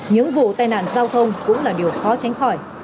những vụ tai nạn giao thông cũng là điều khó tránh khỏi